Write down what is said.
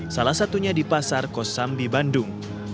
salah satunya di pasar kosambi bandung